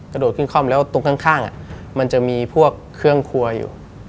กระโดดขึ้นคล่อมแล้วตรงข้างมันจะมีพวกเครื่องครัวอยู่